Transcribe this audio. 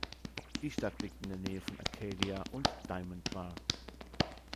Die Stadt liegt in der Nähe von Arcadia und Diamond Bar.